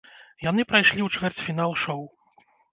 Яны прайшлі ў чвэрцьфінал шоў.